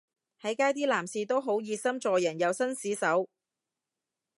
喺街啲男士都好熱心助人又紳士手